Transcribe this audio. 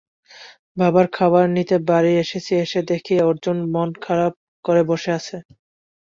বাবার খাবার নিতে বাড়ি এসেছি, এসে দেখি অর্জুন মন খারাপ করে বসে আছে।